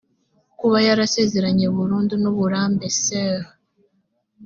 kuba yarasezeranye burundu n uburambe soeurs